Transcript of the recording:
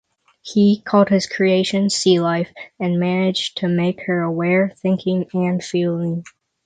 He called his creation C-Life and managed to make her aware, thinking, and feeling.